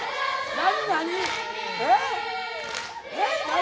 何？